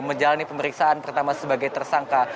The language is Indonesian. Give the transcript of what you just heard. menjalani pemeriksaan pertama sebagai tersangka